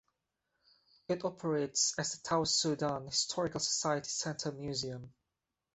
It operates as the Tower-Soudan Historical Society Center museum.